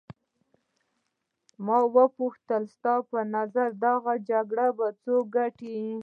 ما وپوښتل ستا په نظر دغه جګړه به څوک وګټي.